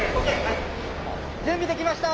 準備できました！